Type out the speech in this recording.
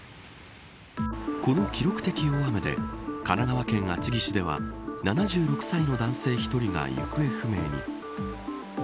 この記録的大雨で神奈川県厚木市では７６歳の男性１人が行方不明に。